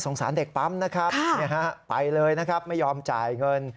สารเด็กปั๊มนะครับไปเลยนะครับไม่ยอมจ่ายเงิน